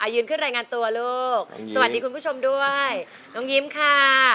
ยืนขึ้นรายงานตัวลูกสวัสดีคุณผู้ชมด้วยน้องยิ้มค่ะ